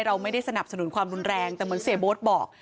เราไม่ได้สนับสนุนความรุนแรงแต่เหมือนเสียโบ๊ทบอก